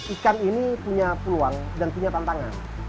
ikan ini punya peluang dan punya tantangan